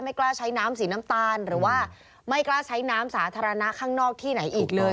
กล้าใช้น้ำสีน้ำตาลหรือว่าไม่กล้าใช้น้ำสาธารณะข้างนอกที่ไหนอีกเลย